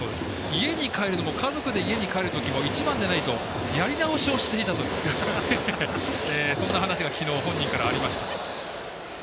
家に帰るのも家族で家に帰るときも一番でないとやり直しをしていたというそんな話が昨日、本人からありました。